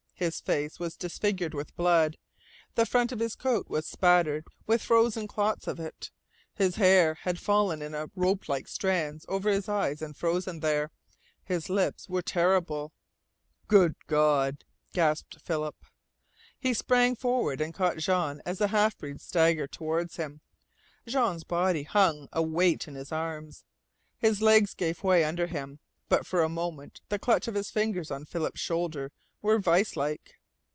His face was disfigured with blood, the front of his coat was spattered with frozen clots of it. His long hair had fallen in ropelike strands over his eyes and frozen there. His lips were terrible. "Good God!" gasped Philip. He sprang forward and caught Jean as the half breed staggered toward him. Jean's body hung a weight in his arms. His legs gave way under him, but for a moment the clutch of his fingers on Philip's shoulder were viselike.